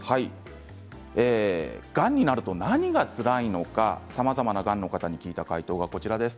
がんになると何がつらいのかさまざまながんの方に聞いた回答がこちらです。